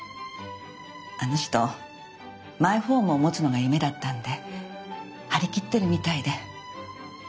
あの人マイホームを持つのが夢だったんで張り切ってるみたいで。